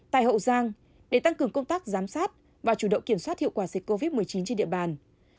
tại hậu giang để tăng cường công tác giám sát và chủ động kiểm soát hiệu quả dịch covid một mươi chín trên địa bàn